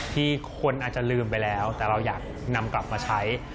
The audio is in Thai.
ที่คนอาจจะลืมไปแล้วแต่เราอยากนำกลับมาใช้